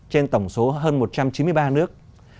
trên tổng số hơn một trăm chín mươi ba nước